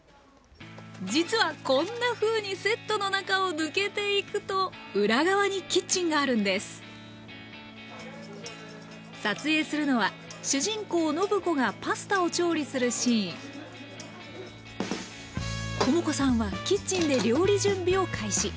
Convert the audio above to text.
実はこんなふうにセットの中を抜けていくと裏側にキッチンがあるんです撮影するのは主人公・暢子がパスタを調理するシーン知子さんはキッチンで料理準備を開始。